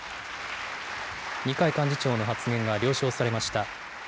二階幹事長の発言が了承されました。